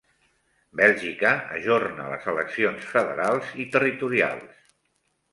Bèlgica ajorna les eleccions federals i territorials